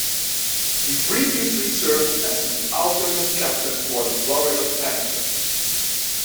He previously served as an alternate captain for the Florida Panthers.